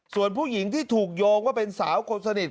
ส่วนผู้หญิงที่ถูกโยงว่าเป็นสาวคนสนิท